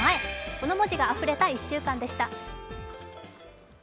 この文字があふれた１週間でした。